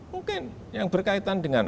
mungkin yang berkaitan dengan